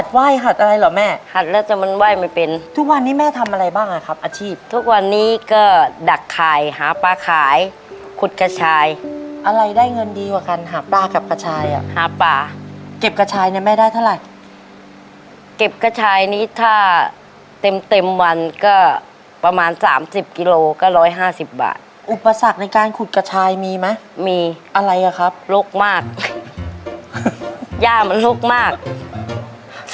สวัสดีครับสวัสดีครับสวัสดีครับสวัสดีครับสวัสดีครับสวัสดีครับสวัสดีครับสวัสดีครับสวัสดีครับสวัสดีครับสวัสดีครับสวัสดีครับสวัสดีครับสวัสดีครับสวัสดีครับสวัสดีครับสวัสดีครับสวัสดีครับสวัสดีครับสวัสดีครับสวัสดีครับสวัสดีครับส